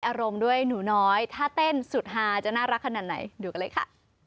อารมณ์ด้วยหนูน้อยถ้าเต้นสุดฮาจะน่ารักขนาดไหนดูกันเลยค่ะ